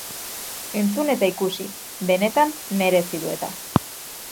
Entzun eta ikusi, benetan, merezi du eta.